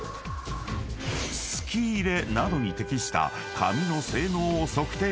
［すき入れなどに適した］